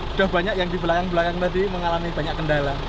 sudah banyak yang di belakang belakang tadi mengalami banyak kendala